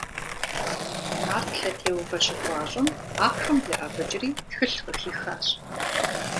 Нарт лъэтеувэ щыхуащӏым, ахъшэм блэӏэбыкӏри тхылъ къыхихащ.